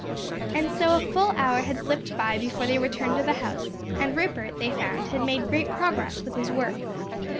And so a full hour had slipped by before they returned to the house, and Rupert, they found, had made great progress with his work.